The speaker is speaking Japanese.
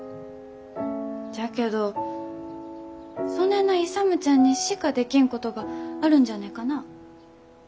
じゃけどそねえな勇ちゃんにしかできんことがあるんじゃねえかなあ。